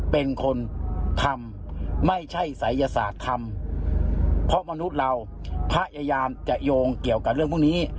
เป็นคนทำไม่ใช่ศัยยศาสตร์ทำเพราะมนุษย์เราพยายามจะโยงเกี่ยวกับเรื่องพวกนี้